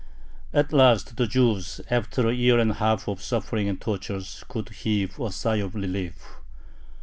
At last the Jews, after a year and a half of suffering and tortures, could heave a sigh of relief.